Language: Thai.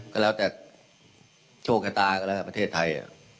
ก็แล้วแต่โชคชะตาก็แล้วแต่ประเทศไทย